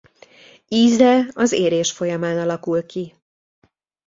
Íze az érés folyamán alakul ki.